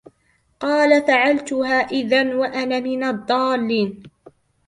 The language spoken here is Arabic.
قَالَ فَعَلْتُهَا إِذًا وَأَنَا مِنَ الضَّالِّينَ